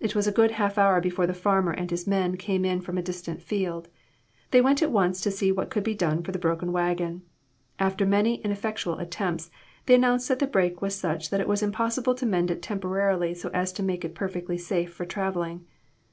It was a good half hour before the farmer and his men came in from a distant field. They went at once to see what could be done for the broken wagon. After many ineffect ual attempts, they announced that the break was such that it was impossible to mend it temporarily so as to make it perfectly safe for traveling.